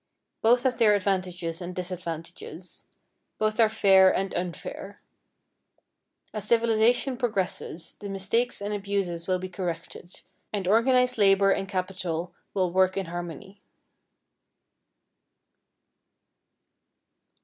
Both have their advantages and disadvantages, both are fair and unfair. As civilization progresses, the mistakes and abuses will be corrected, and organized labor and capital will work in harmony.